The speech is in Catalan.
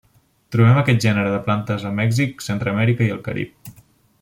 Trobem aquest gènere de plantes a Mèxic, Centreamèrica i el Carib.